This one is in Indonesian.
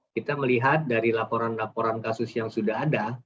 kita melihat dari laporan laporan kasus yang sudah ada